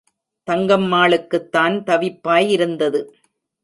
தங்கம்மாளுக்குத்தான் தவிப்பாய் இருந்தது.